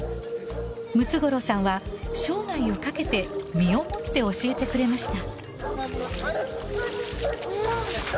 ムツゴロウさんは生涯をかけて身をもって教えてくれました。